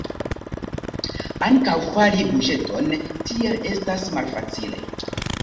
Ankaŭ fari buĝeton tiel estas malfacile.